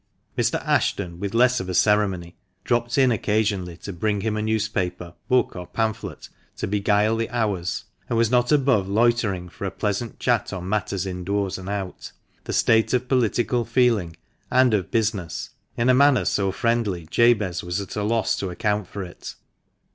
Mr. Ashton, with less of ceremony, dropped in occasionally, to bring him a newspaper, book, or pamphlet to beguile the hours, and was not above loitering for a pleasant chat on matters indoors and out, the state of political feeling, and of business, in a manner so friendly Jabez was at a loss to account for it.